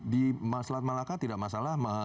di selat malaka tidak masalah